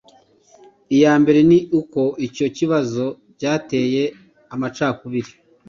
Iya mbere ni uko icyo kibazo cyateye amacakubiri